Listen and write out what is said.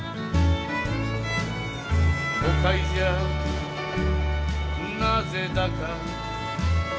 「都会じゃ何故だか」